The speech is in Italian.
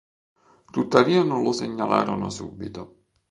Tuttavia non lo segnalarono subito.